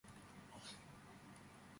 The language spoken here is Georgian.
აქვს გრძელი ფრთები და ბოლო.